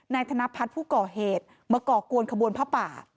ธนพัฒน์ผู้ก่อเหตุมาก่อกวนขบวนผ้าป่า